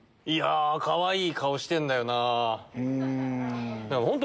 いやかわいい顔してんだよな。